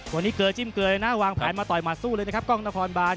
วันนี้เกลือจิ้มเกลือเลยนะวางแผนมาต่อยหมัดสู้เลยนะครับกล้องนครบาน